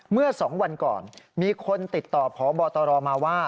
เมื่อ๒วันก่อนมีคนติดต่อพบตรมาว่า